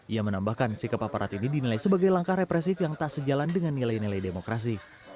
ia menambahkan sikap aparat ini dinilai sebagai langkah represif yang tak sejalan dengan nilai nilai demokrasi